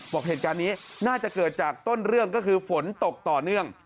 บอกเหตุการณ์นี้น่าจะเกิดจากต้นเรื่องก็คือฝนตกต่อเนื่อง